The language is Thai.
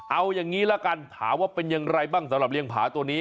เอาอย่างนี้ละกันถามว่าเป็นอย่างไรบ้างสำหรับเลี้ยงผาตัวนี้